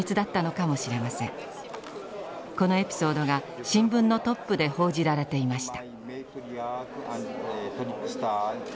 このエピソードが新聞のトップで報じられていました。